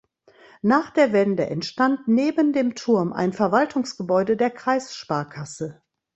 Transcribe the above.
Nach der Wende entstand neben dem Turm ein Verwaltungsgebäude der Kreissparkasse.